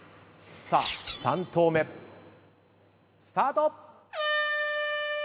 さあ３投目スタート。